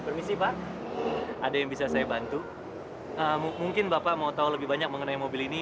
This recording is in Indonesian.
permisi pak ada yang bisa saya bantu mungkin bapak mau tahu lebih banyak mengenai mobil ini